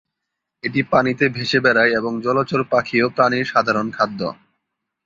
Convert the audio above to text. এটি পানিতে ভেসে বেড়ায় এবং জলচর পাখি ও প্রাণীর সাধারণ খাদ্য।